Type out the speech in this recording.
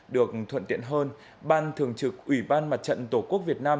được thuận tiện hơn ban thường trực ủy ban mặt trận tổ quốc việt nam